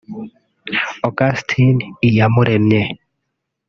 Augustin Iyamuremye